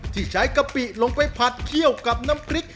ที่ใช้กะปิลงไปผัดเคี่ยวกับน้ำพริก